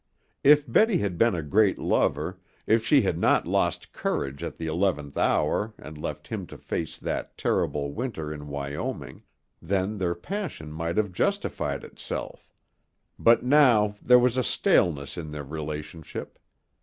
If Betty had been a great lover, if she had not lost courage at the eleventh hour and left him to face that terrible winter in Wyoming, then their passion might have justified itself: but now there was a staleness in their relationship.